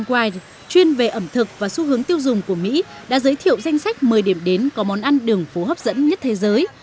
cơ sở kinh doanh thức ăn đường phố này đã giới thiệu danh sách một mươi điểm đến có món ăn đường phố hấp dẫn nhất thế giới